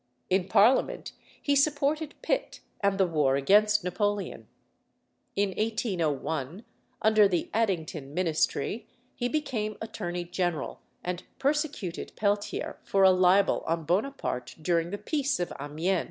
In Parliament he supported Pitt and the war against Napoleon. In 1801, under the Addington ministry, he became Attorney General, and persecuted Peltier for a libel on Bonaparte during the peace of Amiens.